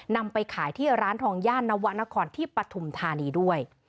นำไปขายที่ร้านทองย่านนวะนครที่ปฐุมธานีด้วย